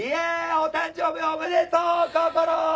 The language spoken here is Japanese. お誕生日おめでとうこころ！